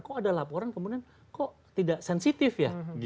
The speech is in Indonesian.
kok ada laporan kemudian kok tidak sensitif ya